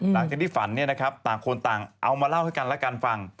หลังจากที่ฝันต่างคนต่างเอามาเล่าให้กันและกันฟัง